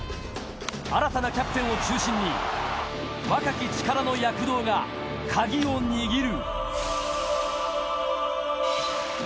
新たなキャプテンを中心に、若き力の躍動がカギを握る。